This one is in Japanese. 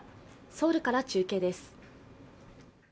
ソウルから中継です。